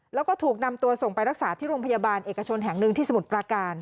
แล้วก็ถูกนำตัวส่งไปรักษาที่โรงพยาบาลเอกชนแห่งหนึ่งที่สมุทรปราการ